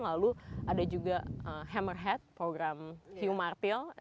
lalu ada juga hammerhead program hiu marfil